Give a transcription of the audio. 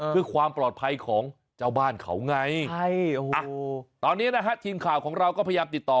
เพื่อความปลอดภัยของเจ้าบ้านเขาไงตอนนี้นะฮะทีมข่าวของเราก็พยายามติดต่อ